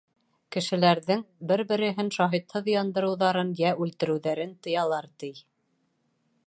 Кешеләрҙең бер-береһен шаһитһыҙ яндырыуҙарын йә үлтереүҙәрен тыялар, ти.